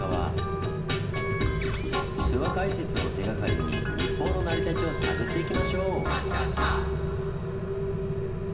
諏訪解説を手がかりに日本の成り立ちを探っていきましょう！